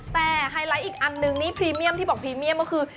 แต่ไฮไลท์อีกอันนึงอันนี้บอกพรีเมียมคือ